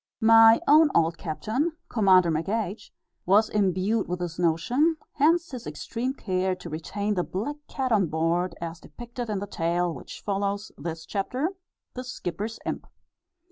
My own old captain, Commander McH was imbued with this notion, hence his extreme care to retain the black cat on board, as depicted in the tale, which follows this Chapter "The Skipper's Imp."